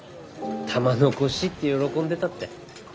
玉の輿って喜んでたって。